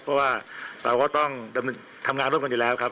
เพราะว่าเราก็ต้องทำงานร่วมกันอยู่แล้วครับ